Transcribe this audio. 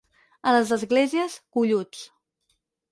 A les Esglésies, golluts.